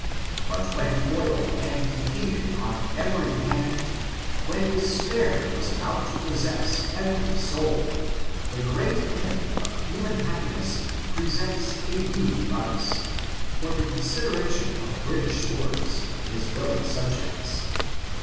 But when foiled and defeated on every hand, when despair was about to possess every soul, the great enemy of human happiness presents a new device, for the consideration of British lords, his willing subjects.